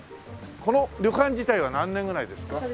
この旅館自体は何年ぐらいですか？